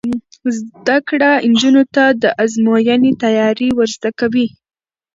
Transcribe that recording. زده کړه نجونو ته د ازموینې تیاری ور زده کوي.